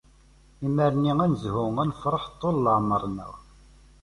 Imir-nni an-nezhu, an-nefreḥ, ṭṭul n leɛmer-nneɣ.